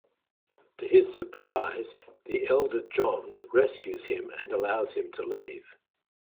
To his surprise, the elder Johns rescues him and allows him to leave.